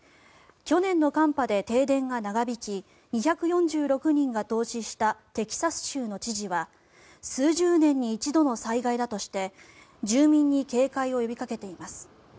去年の寒波で停電が長引き２４６人が凍死したテキサス州の知事は数十年に一度の災害だとして住民に警戒を呼びかけています。